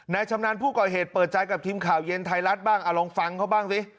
ชำนาญผู้ก่อเหตุเปิดใจกับทีมข่าวเย็นไทยรัฐบ้างลองฟังเขาบ้างสิ